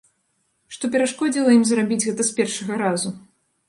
Што перашкодзіла ім зрабіць гэта з першага разу?